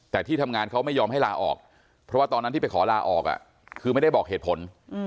แต่ที่ทำงานเขาไม่ยอมให้ลาออกเพราะว่าตอนนั้นที่ไปขอลาออกคือไม่ได้บอกเหตุผล